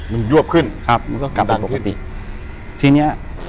มันยวบขึ้นดันขึ้นครับมันก็กลับไปปกติทีนี้